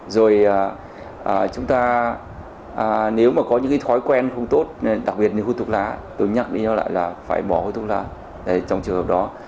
rồi chúng ta nếu mà có những cái thói quen không tốt đặc biệt như hút thuốc lá tôi nhận đi lại là phải bỏ thuốc lá trong trường hợp đó